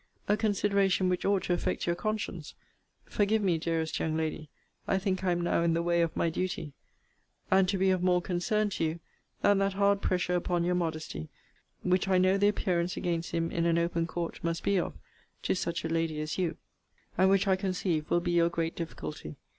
A consideration which ought to affect your conscience, [forgive me, dearest young lady, I think I am now in the way of my duty;] and to be of more concern to you, than that hard pressure upon your modesty which I know the appearance against him in an open court must be of to such a lady as you; and which, I conceive, will be your great difficulty.